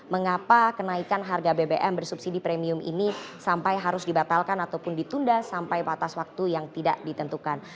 mengapa kenaikan harga bbm bersubsidi premium ini sampai harus dibatalkan ataupun ditunda sampai batas waktu yang tidak ditentukan